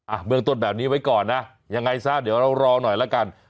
เบื้องต้นแบบนี้ไว้ก่อนนะยังไงซะเดี๋ยวเรารอหน่อยละกัน